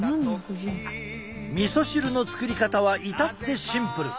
みそ汁の作り方は至ってシンプル。